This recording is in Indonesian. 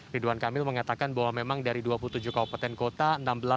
ridwan kamil mengatakan bahwa memang dari dua puluh tujuh kabupaten kota